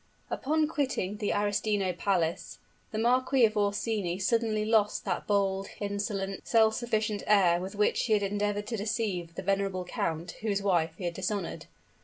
Upon quitting the Arestino palace, the Marquis of Orsini suddenly lost that bold, insolent, self sufficient air with which he had endeavored to deceive the venerable count, whose wife he had dishonored.